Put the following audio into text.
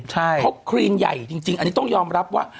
เพราะครีนใหญ่จริงอันนี้ต้องยอมรับว่า